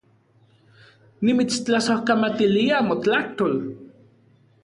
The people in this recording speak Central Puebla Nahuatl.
Nimitstlasojkamatilia motlajtol